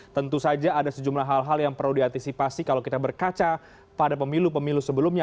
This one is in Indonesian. tentu saja ada sejumlah hal hal yang perlu diantisipasi kalau kita berkaca pada pemilu pemilu sebelumnya